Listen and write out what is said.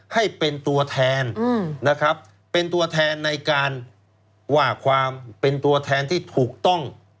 ให้เป็นตัวแทนนะครับเป็นตัวแทนในการว่าความเป็นตัวแทนที่ถูกต้อง